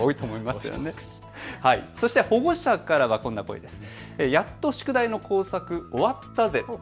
そして保護者からはこんな声です。